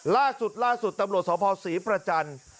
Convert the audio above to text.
ล่าสุดตำลวชสพศิปราจันทร์